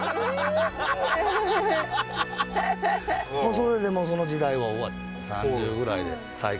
それでその時代は終わって